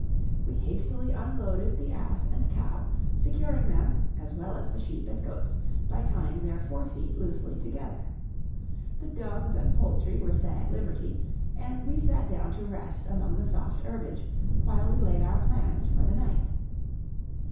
We hastily unloaded the ass and cow, securing them, as well as the sheep and goats, by tying their forefeet loosely together. The doves and poultry were set at liberty, and we sat down to rest among the soft herbage while we laid our plans for the night.